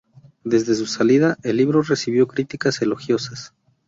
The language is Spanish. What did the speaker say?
Desde su salida, el libro recibió críticas elogiosas.